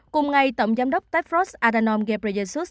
cùng ngày tổng giám đốc tepros adhanom ghebreyesus